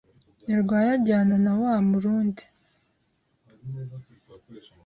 Nyarwaya ajyana na wa murundi,